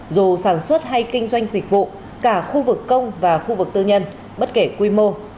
dù sản xuất hay kinh doanh dịch vụ cả khu vực công và khu vực tư nhân bất kể quy mô